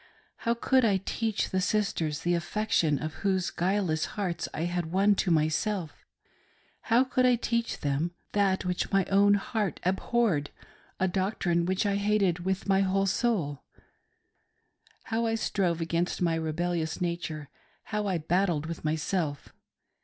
How could I teach the sisters, the affection of whose guileless hearts I had won to myself — ^how could I teach them that which my own THE SPECTRE OF MY DREAMS. I43 heart abhorred, a doctrine which I hated with my whole 9oul! How I strove against my rebellious nature : how I battled with myself!